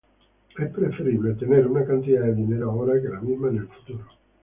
Es preferible tener una cantidad de dinero ahora que la misma en el futuro.